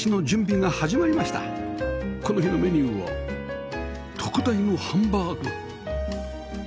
この日のメニューは特大のハンバーグ